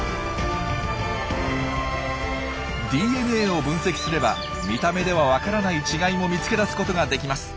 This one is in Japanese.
ＤＮＡを分析すれば見た目では分からない違いも見つけ出すことができます。